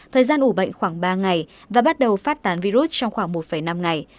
thời gian ủ bệnh khoảng ba ngày và bắt đầu phát tán virus trong khoảng một năm ngày